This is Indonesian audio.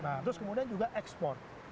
nah terus kemudian juga ekspor